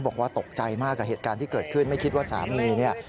บอกว่าตกใจมากกับเหตุการณ์ที่เกิดขึ้นไม่คิดว่าสามีเนี่ย